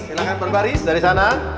silahkan berbaris dari sana